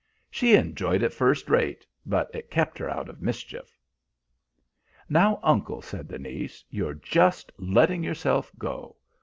She enjoyed it first rate, but it kept her out of mischief." "Now, uncle," said the niece, "you're just letting yourself go.